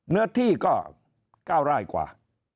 เนื้อที่ก็๙ไร่กว่า